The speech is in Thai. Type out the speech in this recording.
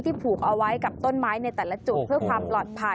ผูกเอาไว้กับต้นไม้ในแต่ละจุดเพื่อความปลอดภัย